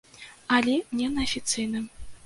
Але не на афіцыйным.